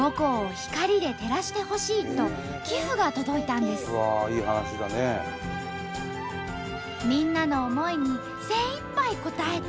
「みんなの思いに精いっぱい応えたい」。